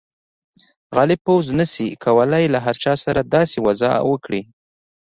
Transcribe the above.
غالب پوځ نه شي کولای له هر چا سره داسې وضعه وکړي.